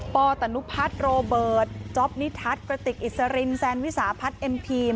ปตนุพัฒน์โรเบิร์ตจ๊อปนิทัศน์กระติกอิสรินแซนวิสาพัฒน์เอ็มทีม